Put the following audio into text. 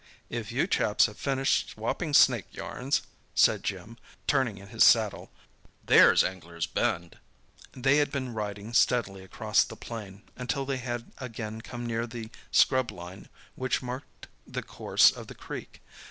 "If you chaps have finished swopping snake yarns," said Jim, turning in his saddle, "there's Anglers' Bend." They had been riding steadily across the plain, until they had again come near the scrub line which marked the course of the creek.